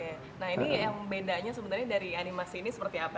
oke nah ini yang bedanya sebenarnya dari animasi ini seperti apa